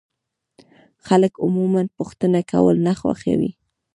خلک عموما پوښتنه کول نه خوښوي.